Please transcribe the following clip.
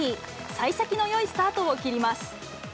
さい先のよいスタートを切ります。